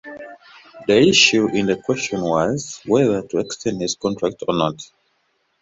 The issue in question was whether to extend his contract or not.